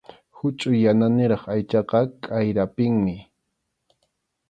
Huchʼuy yananiraq aychaqa k’ayrapinmi.